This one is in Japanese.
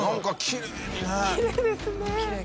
きれいですね。